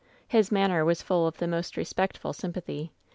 "His manner was full of the most respectful sym pathy.